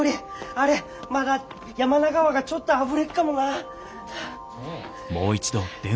あれまだ山名川がちょっとあふれっかもな。